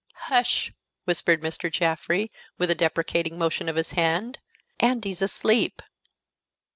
"Hush!" whispered Mr. Jaffrey, with a deprecating motion of his hand. "Andy's asleep!"